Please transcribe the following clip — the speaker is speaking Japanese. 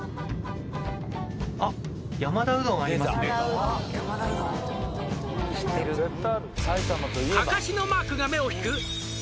あっ「かかしのマークが目を引く」